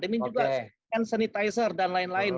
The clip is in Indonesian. ini juga hand sanitizer dan lain lain